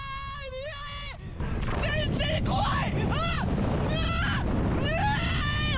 全然怖い！